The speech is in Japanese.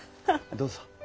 どうぞ。